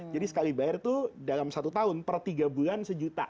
jadi sekali bayar itu dalam satu tahun per tiga bulan sejuta